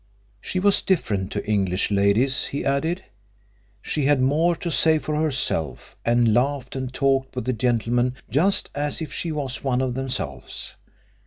She was different to English ladies, he added. She had more to say for herself, and laughed and talked with the gentlemen just as if she was one of themselves.